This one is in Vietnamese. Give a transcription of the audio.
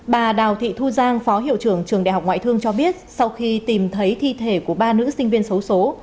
bà đào thị thu giang phó hiệu trưởng trường đại học ngoại thương cho biết sau khi tìm thấy thi thể của ba nữ sinh viên xấu xố